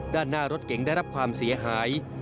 ด้านหน้ารถเก๋งได้รับความเสียหาย